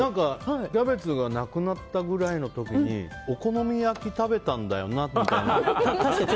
キャベツがなくなったくらいの時にお好み焼き食べたんだよなみたいな。